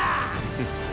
フッ。